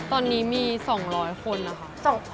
ตอนนี้มี๒๐๐คนนะคะ